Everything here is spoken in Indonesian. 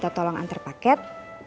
atau tolong antar paket